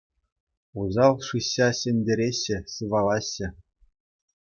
Усал шыҫҫа ҫӗнтереҫҫӗ, сывалаҫҫӗ.